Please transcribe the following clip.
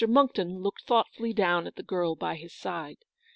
Monckton looked thoughtfully down at the girl by his side.